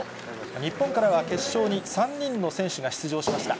日本からは決勝に３人の選手が出場しました。